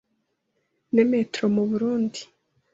n’emetore mu Burunndi”